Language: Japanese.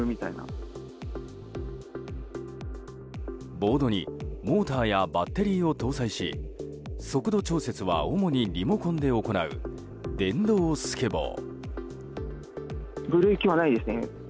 ボードにモーターやバッテリーを搭載し速度調節は主にリモコンで行う電動スケボー。